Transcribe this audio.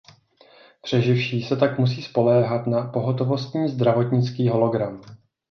Přeživší se tak musí spoléhat na Pohotovostní zdravotnický hologram.